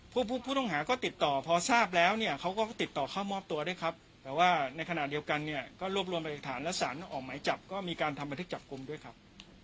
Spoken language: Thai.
ผู้ต้องหาก็ติดต่อพอทราบแล้วเนี่ยเขาก็ติดต่อเข้ามอบตัวด้วยครับแต่ว่าในขณะเดียวกันเนี่ยก็รวบรวมไปอีกฐานและสารออกหมายจับก็มีการทำบันทึกจับกลุ่มด้วยครับ